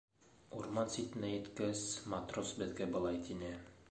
Урман ситенә еткәс, матрос беҙгә былай тине: